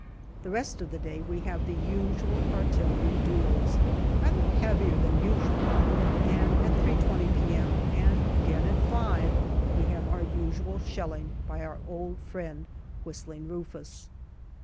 The rest of the day we have the usual artillery duels, rather heavier than usual, and at 3.20 p.m., and again at five, we have our usual shelling by our old friend " Whistling Rufus."